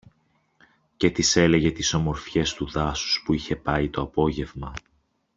και της έλεγε τις ομορφιές του δάσους που είχε πάει το απόγευμα.